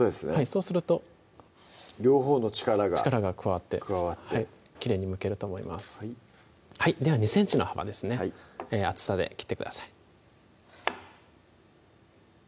そうすると両方の力が力が加わってきれいにむけると思いますでは２ｃｍの幅ですね厚さで切ってください